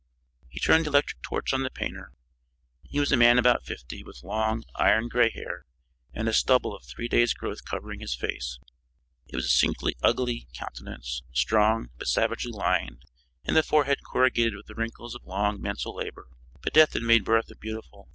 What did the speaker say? He turned the electric torch on the painter. He was a man about fifty, with long, iron gray hair, and a stubble of three days' growth covering his face. It was a singularly ugly countenance, strong, but savagely lined, and the forehead corrugated with the wrinkles of long, mental labor. But death had made Bertha beautiful.